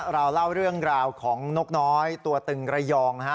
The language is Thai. เราเล่าเรื่องราวของนกน้อยตัวตึงระยองนะฮะ